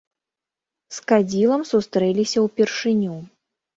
З кадзілам сустрэліся ўпершыню.